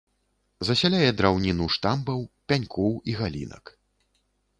Засяляе драўніну штамбаў, пянькоў і галінак.